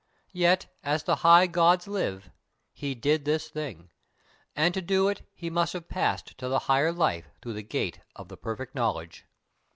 Yet, as the High Gods live, he did this thing; and to do it he must have passed to the higher life through the gate of the Perfect Knowledge."